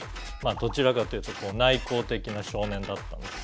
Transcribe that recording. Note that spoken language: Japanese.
どちらかというと内向的な少年だったんです。